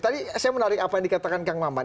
tadi saya menarik apa yang dikatakan kang maman